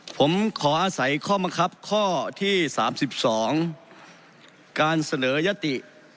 ผมขออาศัยข้อมังคับข้อที่สามสิบสองการเสนอยติ